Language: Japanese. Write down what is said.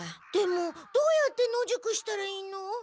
でもどうやって野宿したらいいの？